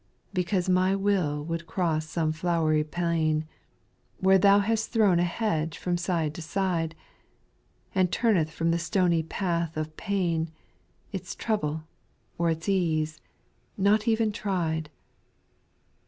5. Because my will would cross some flowery plain. Where Thou hast thrown a hedge from side to side ; And turneth from the stony path of pain, Its trouble, or its ease, not even tried.